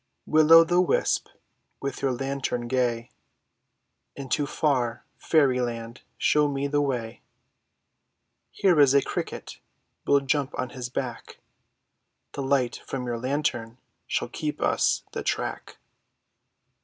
W IXX O' THE WISP, with your lantern gay, Into far fairy land show me the way ; Here is a cricket, we'll jump on his back, The light from your lantern shall keep us the track.